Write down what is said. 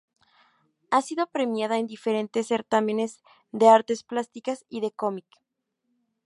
Ha sido premiada en diferentes certámenes de artes plásticas y de cómic.